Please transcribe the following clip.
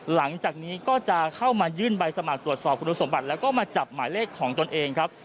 หลังจากนี้ก็จะเข้ามายื่นใบสมัครตรวจสอบคุณสมบัติแล้วก็มาจับหมายเลขของตนเองครับ